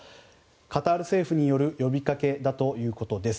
カタール政府による呼びかけだということです。